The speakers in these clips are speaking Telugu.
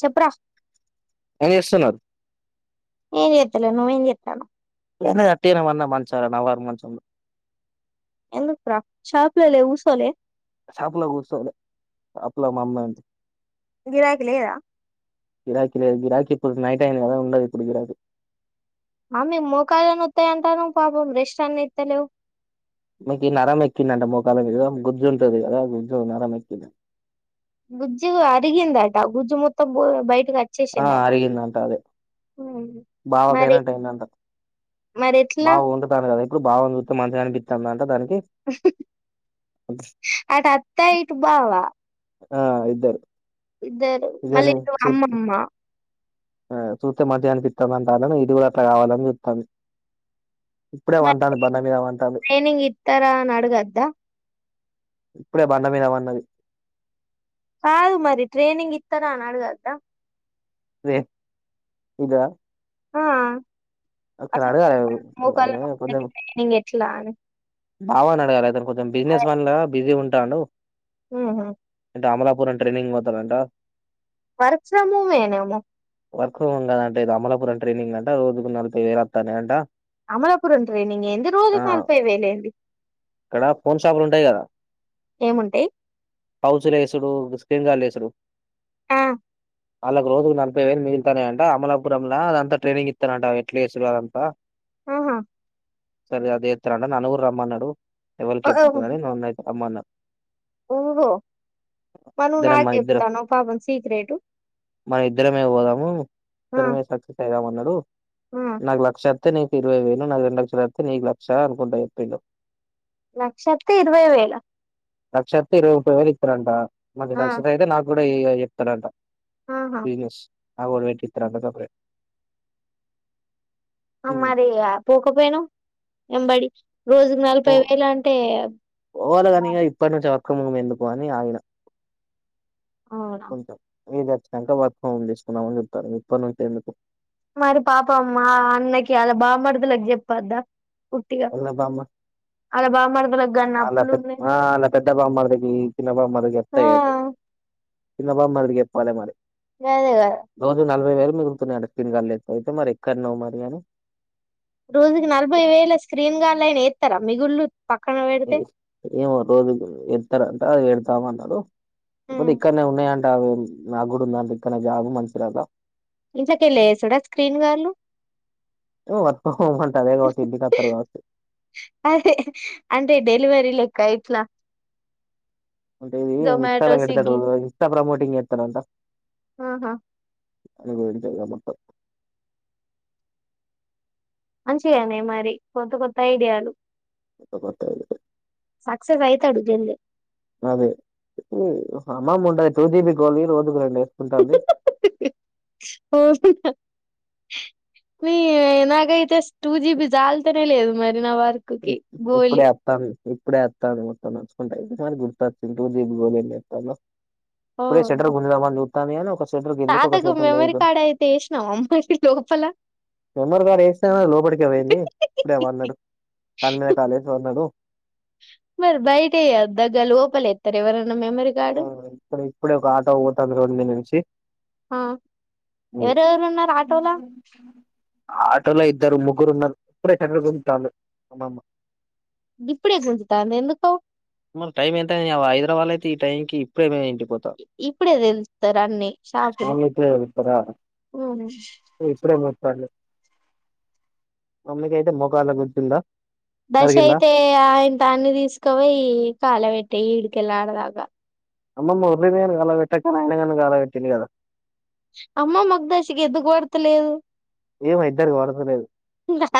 చెప్పురా ఏం చేస్తున్నారు ఏం చేత్తలేన్ నువ్వేం చేత్తానవ్వ్ ఏం లేద్ అట్టనేపన్న మంచాల నవారు మంచంలో ఎందుకురా షాప్ లో పోయి కూసోలే షాపులా కూసోలే షాపులో మా అమ్మ ఉంది గిరాకి లేదా గిరాక్గిరాకీ ఇప్పుడు నైటైంది కదా ఉందిప్పుడు గిరాకి ఆమె మొక్కాళ్ళే నోతయంతాన్నవ్ పాపం రెస్టాన్నిత్తలేవ్ ఈమెకినరం ఎక్కిందింట మోకాల్ల మీద గుజ్జు ఉంటుది కదా గుజ్జు నరం ఎక్కింది గుజ్జు అరిగిందా గుజ్జ మత్తం బో ఆ వచ్చేసిందట అరిగిందంట అదే మరి బావకైన్టైందంట మరి ఎట్లా బాగుంటాను కదా ఇప్పుడు బాగు చస్త మంచిగానిి అంట దానికి అడ అత్తా ఇటు బావా ఆ ఇద్దరు ఇద్దరు మళ్ళీ ఇదేని ఇద్ద చూ అమ్మమ్మ ఆ చూత మధ్యాహనికిపిస్తామంతను ఇది కూడా అట్లా కావాలని చెప్తాంది మ ట్రైనింగ్ ఇతర నడగద్దా ఇప్పుడే బండమదమన్నది కాదు మరి ట్రైనింగ్ ఇస్తాను అని అడుగద్దా అే ఇదా ఆ అట్లా అఖెరాడ ఆ కొ లానే బావ అడగాలి అను కొంచెం బిజినెస్ మన్లా బిజీ ఉంటా ట్టానుో ఆ అమలాపురం ట్రైనింగ్ పోతందింట వర్క్ ఫ్రమ్ హోమ్ ఏనేమో వర్క్ ఫోమ్ కదంట ఇది అమలాపురం ట్రైనింగ్ అంట రోుకు నలభై వేలు వస్తానే అంటా అమలాపురంంట ఎంత రోజకినాాల పోయవలే ఇక్కడ ఫోన్ షాపులు ఉంటాయి కదా ఏముంటాయి పౌచలేసుడు టెంగాళసరు ఆ వాళ్ళకి రోజులు నలభై వేలు మిగుతానే అంట అమలాపురంలో అదంతా ట్రైనింగ్ ఇస్తానంట ఎట్లాేదంతా ఆహా సరే అదే న బహమన్నాడు ఎవరికి చెప్ప కాని నన్నయి అమ్మన్నారు ఓహో మరి నువ్వు నాకు మన ఇద్దరం చెప్తానవ్ పాపం సీక్రెటు మన ఇద్దరమే పోదాము ఆ ఇద్దరమే సక్సెస్ అయిదామ అన్నారు ఆ నాకు లక్ష నీ ఇవై వేను నాకు రెండు లస్తతే నీ లక్ష అకుంటాయి ప లక్షత్ ఇరువై వేల పంట ఆ మక్ష అయితే నాగు ఇప్పు చెప్తానంట ఆహా బజినస్ ఆ వొళ్ళు ఇప్పిత్తర అక్క సెపరేట్ అ మరి ఇగ పోక పోయిన ఎంబడి రోజు పో నలభై వేలు అంటే క్రమం ఎందుకు అని ఆయన అవునా పోయిట మీది వచ్చినంక వర్క్ ఫ్రం హోమ్ తీసుకున్నామని చెప్తారు ఇప్పటి నుంచే ఎందుకు మరి పాపం మా అన్నకి అలా బామర్ధులకి చెప్పద్దా ఉట్టిగా వాళ్ళ బామ్మ అలా బామర్ధులకి ఆళ్ళ పె ఆళ్ల పెద్ద బామర్ది మ్మ్ చిన్న పాప మాదిరి గా ఆ ఎత్తయ్యేది చిన్న బామర్దికి చెప్పాలే మరి వెదేగద యిరవై వేలు మిగులుతున్నాయి మింత న అడి తిన కలేదు అయితే మరి ఎక్కడన్నావు మరి అని రోజుకి నలభై వేల స్క్రీన్ గాళ్యిన ఎత్తర మిగులు ఎస్ ఏమో ఒక రోజు ఎతార ఆ వెళ్తాం అంటాడు ఉమ్ ఇపొద్దిక్కనే ఉన్నయాం [unintelligible] ఇంట్లకెళ్ళేసుడా స్క్రీన్ వాళ్ళు చో వర్క్ హోమంట అదే కావచ్చు ఇంటికత్తడు కావొచ్చు కా ఇట్లా అంటే ఇది జొమాటో ఇన్స్టాలో పెడతడు స్విగ్గీ ఇన్స్టా ప్రమోట్ రింగేత్తడంటా ఆహా అది [unintelligible] మంచిగానేయ్ మరి కొత్త కొత్త ఐడియాలు కొత్త కొత్త ఐడియాలే సక్సెస్ అయితాడు జల్దీ అదే [unintelligible] ఓ [unintelligible] మీ నాకైతే టూ జీబి జాలుతనే లేదు మర్ ఇనవార్కుకి గోలి ఇప్పుడే వత్తాంది ఇప్పుడే వత్తాంది మొత్తం నచ్చుకుంటైతే మరి గుర్తొచ్చింది టూ జీబి మొబైల్ తెత్తాను ఇప్పుడే అవునా షెటర్ గుంజదామని జూ తమ నోకస్ తాతకు మెమరీ కార్డ్ అయితే వేసినావా మరి లోపల మెమరీ కార్డ్ వేస్తే లోపడికి పోయింది ఇప్పుడేవ అన్నాడు కాలి మీద కాలేసి హలో మరి బయట అయ్యొద్ద గా లోపల ఎత్తర ఎవర ఆ ఇప్పుడ ఇప్పుడే ఒక ఆటో పోతుంది రోడ్ మీద నుంచి ఆ ఎవరెవరు ఉన్నారు ఆటోలా ఆటోలో ఇద్దరు ము ముగ్గురు ఉన్నరూ ఇప్పుడే చంద్ర గుంటంటాలు మా ఇప్పుడే గుంచి తాంది ఎందుకో మరి టైం ఎంత అయింది వహైదరాబాద్ అయితే ఈ టైంకి ఇప్పుడేమంటి ఇప్పుడే తెలుస్తారు అన్ని షాపులు వాళ్ళు ఇప్పుడే పోతారా హ్మ్ ర్లే మమ్మీకైతే మొకళ్ళ గుర్చిుందా దశ అయితే ఆయన దాన్ని తీసుకోయి కాలవెట్ట ఇడికెల్లి ఆ అమ్మమ్మ మురళీ కాల పెట్టా కరాణంగాను కాలవెట్టింది కదా అమ్మ మాకు దశకి ఎందుకు పడతలేదు ఏమో ఇద్దరికి పడతలేదు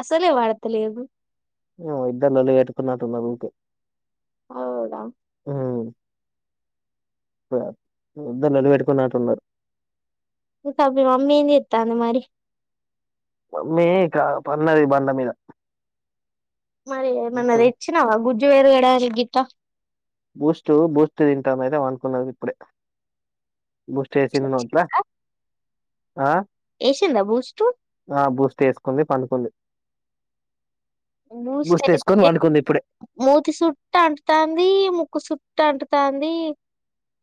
అసలే పడతలేదు ఏమో ఇద్దరు లొల్లి పెట్టుకున్నట్టున్నారు ఊకే అవునా మ్ ఇద్దరు లొల్లి పెట్టుకున్నట్టునారు ఇకాపి మమ్మేంమీ చేతంది మరి మీ క పన్నది బండ మీద మరి మనది ఇచ్చినావా గుజ్ వేరుగడ అరి గీత బూస్ట్ బూస్ట్ తింటామ అయితే అనుకున్నది ఇప్పుడే బూస్ట్ యేసింది నోట్ల ఆ ఎసంద బూస్టు కొంది పండుకుంది బూస్ట్ వేసుకొని అయి పండుకుంది ఇప్పుడే మూతి సుట్ అంటూ తాంది ము ఉక్కు చుటు అంటుతంది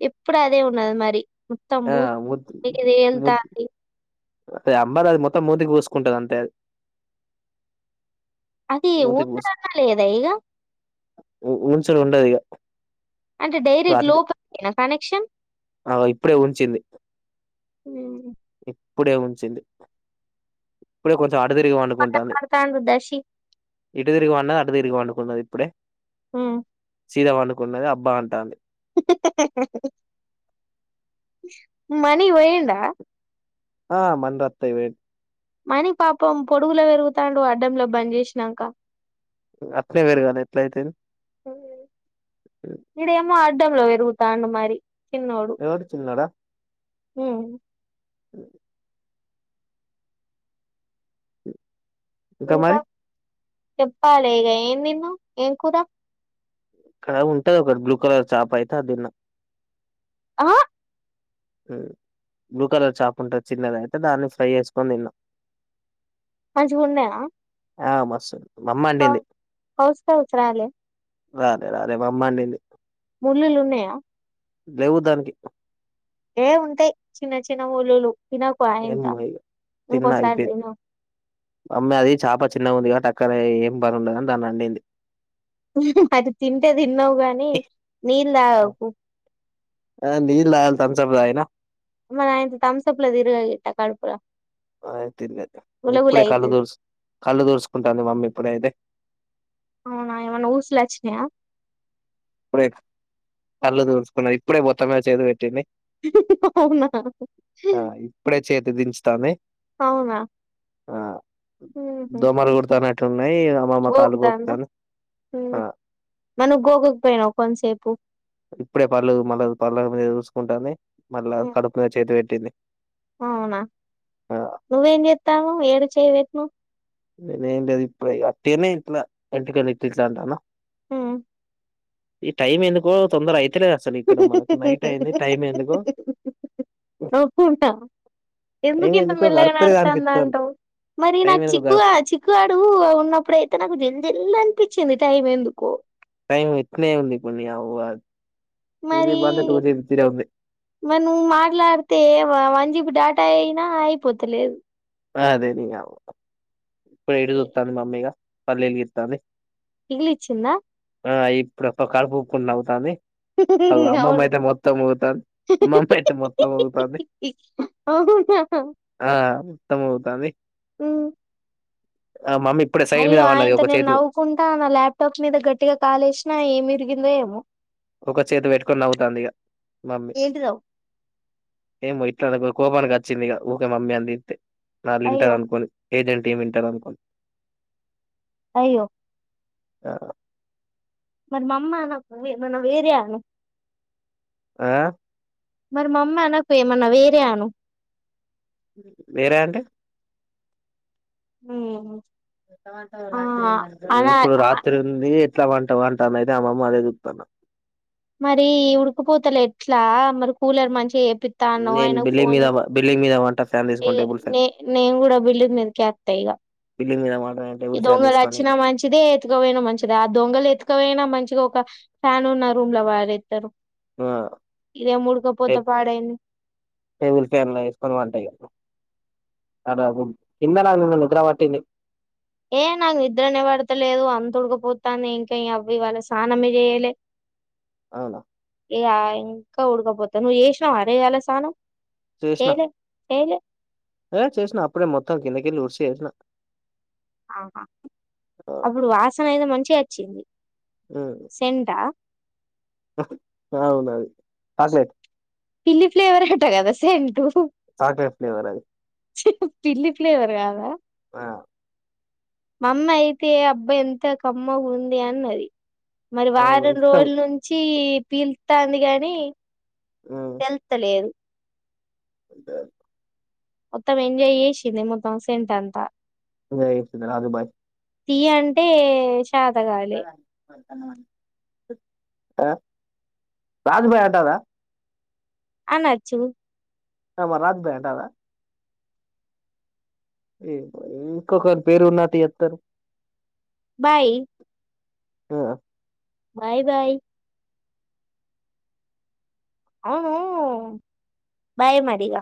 ఎప్పుడు అదే ఉన్నది మరి ఆ మత్తంబు ముద్ ఎంత అదే అంబారు అది మొత్తం మూదకి పోసుకుంటది అంతే అది అది మూతికి పూసు ఊంటదన్న లేద ఇగ ఉ ఊనసలు ఉండదిగ అంటే డైరెక్ట్ లోపల కనెక్షన్ ఆ ఇప్పుడే ఉంచింది ఏం ఇప్పుడే ఉంచింది కు కొ అటు తిరిగి వండుకుంటాంది మాట్లాడతాండు దశి ఇటు తిరిగి తిరిగి పన్డుకున్నాదిప్పుడే ఉమ్ చీదా పనుకున్నది అబ్బా అంటాన్ది ఇహ్హ్ ఇహ్హ్ హ్ ఇహ్హ్ మణి పోయిన్డా ఆ మన్రైతాయ్ పోయిన్డ్ మణి పాపం పొడుగులో పెరుగుతాన్డు అడ్డంలో బంద్ చేస్నాక అట్నే వేరుగనె ఎట్లాయ్తాది ఆ ఆ ఈడేమో అడ్ అడ్డమ్లో పెరుగుతాన్డ్ మరి ఎవడు చిన్నోడా హుమ్ ఇంక మరి చెప్పాలి ఇగ ఏమ్ తిన్నావ్ ఏం కూర ఇక్కడ ఉంటది ఒకటి బ్లూ కలర్ చాపైతే అదిన్న అ ఉమ్ బ్లూ కలర్ చాప్ వుంటది చిన్నది అయితే దాన్ని ఫ్రై చేస్కొని తిన్నా మంచిగున్నాయా ఆ మస్తుంది హ కౌస్ కౌస్ రాలె రాలే రాలే మమ్మండింది ముళ్ళులున్నాయా లేవు దాన్కి ఏ ఉంటయ్ చిన్న చిన్న ముల్లులు తినకు ఏమ్ ఆయింత ముయ్యు తిన్న ఇంకోసారి అయిపోన్ద్ తినవు. మమ్మే అది చాప చెర్ అన్నం ఉంది కాబట్టి అక్కడే ఏం పని ఉండదని దాన్ని అండింది ఊహ్హ్మ్ అది తింటే తిన్నావ్ గానీ నీల్ల్ తాగకు ధాంసప్ తాగిన మరి అయింతా ధాంసప్లోతిరిగేయ్ గిట్ట కడుపుల ఆ తినది హ్ గులగుల ఇప్పుడే కళ్ళు అయితది తుడ్స్ కళ్ళు తుడస్కుంటాన్ది మమ్మీ ఇప్పుడే అయితే అవునా ఏమన్నా ఊస్లాచ్చినయా ఇప్పుడే కళ్ళు తుడస్కునది ఇప్పుడే బొత్త మీద చేతు పెట్టింది ఇహ్హ్ ఇహ్హ్ హ్ అవ్నా హ్ తమే అవునా ఉహామ్ నైయ్ అమ్మమ్మ కాలుగోకుతునయ్ ఉమ్. మరి నువ్ గోకక్ పోయ్నావా కొంత్సేపు ఇప్పుడే పళ్లు మళ్లా పళ్ళ మీద చూస్కుంటాంది మల్ల ఉమ్. కడుపు [inaudible] చేతి పెట్ ఏంది అవునా నువ్వేం చేత్తావు ఏడ చెయ్ పెట్నావ్ నేనేం లేదు ఇప్పుడే అట్టేనే ఇంట్లా [unintelligible] ఇట్లిట్లా అంటాన్నా ఉమ్ ఈ టైమ్ ఎందుకో తొందరై ఎందుకో నవ్ కుంటా ఎందుకు టైం ఇంత ఎందుకో మెల్లగా గడతలేదు అనిపిత్తాంది నడుతుందంటావ్ మరి టైం నాకు ఎందుకో చిక్కు గడ చిక్కు గాడు ఉన్నప్పుడైతే నాకు జిల్ జి లొల్లనిపిచ్చింది టైం ఎందుకో టైమ్ ఇట్నే ఉందిప్పుడు నియవ్వ మరి [unintelligible] మరి నువ్ మాట్లాడితే వ వన్ జీ బి డేటా అయినా అయిపోతలేదు అదే నీ ఔ ఇప్పుడు వీడియో చూత్తాంది మమ్మీ ఇగా పల్లెలిగిత్తాంది ఇల్లిచ్చిందా ఆ ఇప్పుడు ప కలుపూపుకుంటా నవ్వుతాంది అగో అమ్మమ్మ అవునా అయితే మొత్తం ఊగుతాంది అమ్మమ్మ అయితే మొత్తం ఊగుతాంది అవునా త్తం ఊగుతాంది ఉ ఆ మమ్మీ ఇప్పుడే సైడ్ మీద అయ్యో పన్నది ఆయంత ఒక నేను చేతి నవ్వుకుంటా ఉన్నా ల్యాప్టాప్ మీద గట్టిగా కాలేసినా ఏమి ఇరిగిందో ఏమో ఒక చేతి పెట్టుకొని నవ్వుతాంది ఇగ మమ్మీ ఏంటిదో ఏంబో ఇట్లానే గొ కోపానికి వచ్చిందిగ ఊకో మమ్మీ నాలింటావు అయ్యో అనుకొని [unintelligible] వింటారనుకున్ అయ్యో మరి మా అమ్మ నాకు [unintelligible] నువ్వే చెయ్యాల ఆ మరి మా అమ్మ అనకు ఏమన్నా వేరే అను వేరే అంటే ఉమ్మ్ ఇప్పుడు రాత్రి ఉంది ఇంట్లా పంటావా అంటాంది అయితే అమ్మమ్మ అదే చూతాన్నా మరి ఈ ఉడుకుపోతల ఎట్లా మరి కూలర్ మంచిగా చెప్ నేను బిల్లి మీద బిల్డింగ్ మీద పంట ఈ నే నేను కూడా బిల్డింగ్ మీదకి ఎక్తా ఇగ బిల్డింగ్ మీద వంట టేబుల్ ఈ ఫ్యాన్ దొంగలు తీసుకొని వచ్చినా మంచిదే ఎతుకపోయినా మంచిదే ఆ దొంగలు ఎతుకపోయినా మం మంచిగా ఒక ఫ్యాన్ ఉన్న రూమ్ లో పారేస్తారు ఆ టే పాడైంది టేబుల్ ఫ్యాన్ లో వేసుకొని పంటఇగ దాదాపు కింద [unintelligible] నిద్ర పట్టింది ఏ నాకు నిద్రనే బడతలేదు అంత ఉడకపోతాంది ఇంకా అవి ఇవాళ సానం ఏ చేయలే అవునా ఇకా ఇంకా ఉడకపోతా నువ్వు చేసినావు అరే ఈయ్యాల స్నానం చేసిన చేయలే, చేయలే ఏ చేసిన అప్పుడే మొత్తం కిందకెల్లి ఉరిసి చేసిన ఆహా అప్పుడు వాసన అయితే మంచిగా చి సెంట్ ఆ బావున్నది [unintelligible] పిల్లి ఫ్లేవర్ హట గద సెంటూ చాక్లెట్ ఫ్లేవర్ అది టిల్లీ ఫ్లేవర్ కాదా ఆ మామ్మ అయితే అబ్బాయి ఎంత కమ్మగఉంది అన్నది మరి అవును వారం ఇష్టం రోజులు వుంచి పీల్లుత్తాంది కానీ తెల్తలేదు మొత్తం ఎంజాయ్ చేసింది మొత్తం సెంట్ అంతా [unintelligible] బాయ్ తీ అంటే తాత గాలి ఆ రాజుభాయ్ అంటారా అనచ్చు అమ రాజుబాయ్ అంటార ఇ ఇంకొకరు పేరున్నటి చెప్తారు బాయ్ ఆ బై బై బై మరి ఇగ